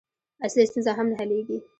اصلي ستونزه هم نه حلېږي.